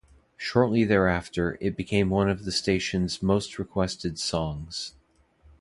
Shortly thereafter, it became one of the stations' most requested songs.